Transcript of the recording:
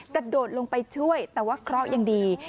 กระโดดลงไปช่วยแต่ว่าเคราะห์ยังดี